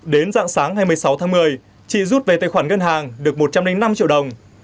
đến dạng sáng ngày một mươi sáu tháng một mươi chị rút về tài khoản ngân hàng được một trăm linh năm triệu đồng